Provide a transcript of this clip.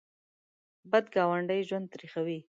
بد ګاونډی ژوند تریخوي